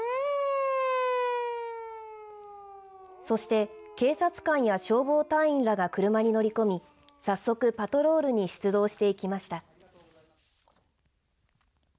そして、警察官や消防隊員らが車に乗り込み早速パトロールに出動していきました。